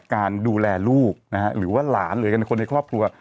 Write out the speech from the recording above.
การดูแลลูกนะฮะหรือว่าหลานหรือกันคนในครอบครัว